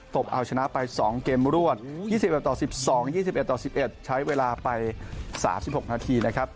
บเอาชนะไป๒เกมรวด๒๑ต่อ๑๒๒๑ต่อ๑๑ใช้เวลาไป๓๖นาทีนะครับ